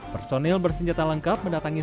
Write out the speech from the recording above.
personil bersenjata lengkap mendatangi